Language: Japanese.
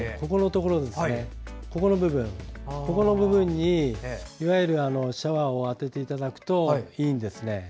この部分にシャワーを当てていただくといいんですね。